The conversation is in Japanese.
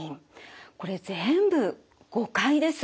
これ全部誤解です。